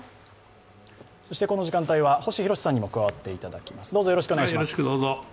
この時間帯は星浩さんにも加わっていただきます。